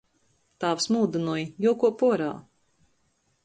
Tāvs mūdynoj — juokuop uorā.